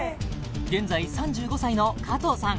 現在３５歳の加藤さん